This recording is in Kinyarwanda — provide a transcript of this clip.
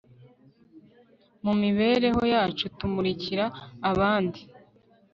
mu mibereho yacu tumurikira abandi